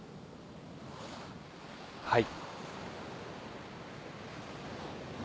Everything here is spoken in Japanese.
はい。